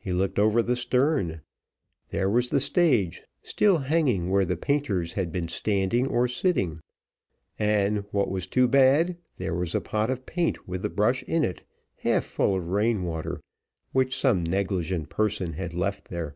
He looked over the stern, there was the stage still hanging where the painters had been standing or sitting, and, what was too bad, there was a pot of paint, with the brush in it, half full of rain water, which some negligent person had left there.